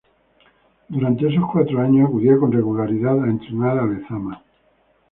Durante esos cuatro años acudía con regularidad a entrenar a Lezama.